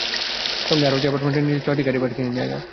সঙ্গে আরও আছে অ্যাপার্টমেন্টের নিচে ছয়টি গাড়ি পার্কিংয়ের জায়গা।